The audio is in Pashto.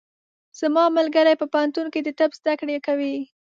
زما ملګری په پوهنتون کې د طب زده کړې کوي.